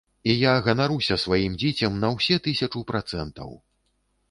І я ганаруся сваім дзіцем на ўсе тысячу працэнтаў!